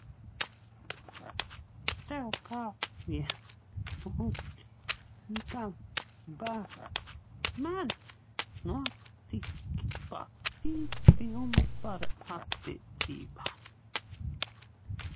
Tev kā vientuļniekam, Betmen, noteikti patīk filmas par attiecībām!